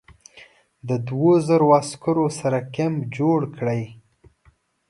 له دوو زرو عسکرو سره کمپ جوړ کړی.